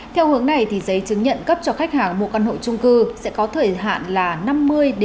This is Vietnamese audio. theo hướng này thì giấy chứng nhận cấp cho khách hàng một căn hộ trung cư sẽ có thời hạn là năm mươi bảy mươi năm